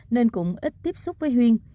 nên cũng ít tiếp xúc với huyên